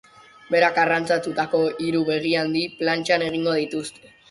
Berak arrantzatutako hiru begihandi plantxan egingo dituzte.